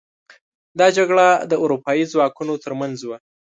دا جګړه د اروپايي ځواکونو تر منځ وه.